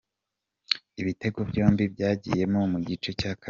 Ibitego byombi byagiyemo mu gice cya kabiri.